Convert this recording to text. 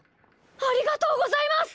ありがとうございます！